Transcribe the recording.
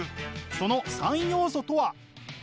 その３要素とは。